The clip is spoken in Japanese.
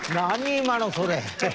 今のそれ。